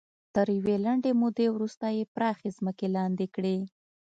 تر یوې لنډې مودې وروسته یې پراخې ځمکې لاندې کړې.